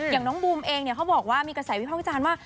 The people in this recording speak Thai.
อย่างน้องบูมเองเขาบอกว่ามีกระแสวิภาควิจารณ์ว่า